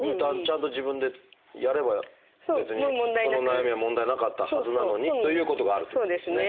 ちゃんと自分でやれば別にその悩みは問題なかったはずなのにということがあるということですね。